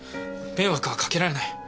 迷惑はかけられない。